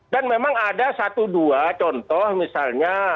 dan memang ada satu dua contoh misalnya